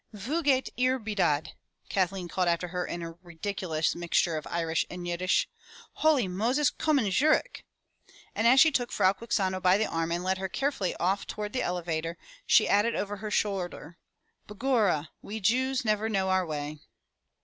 " Wu geht Ihr, bedad?'' Kathleen called after her in a ridiculous mixture of Irish and Yiddish. ''Houly Moses, komm' zurick!'' And as she took Frau Quixano by the arm and led her carefully 212 FROM THE TOWER WINDOW off toward the elevator, she added over her shoulder/' Begorra! we Jews never know our way!'